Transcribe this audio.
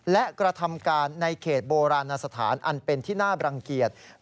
และกระทำการในเขตโบราณสถานอันเป็นที่น่าบรังเกียจ